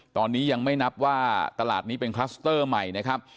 ตอนนี้ยังไม่นับว่าตลาดนี้เป็นคลัสเตอร์ใหม่นะครับ